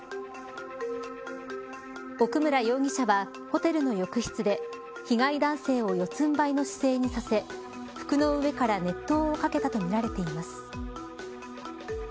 奥村容疑者はホテルの浴室で被害男性を四つんばいの姿勢にさせ服の上から熱湯をかけたとみられています。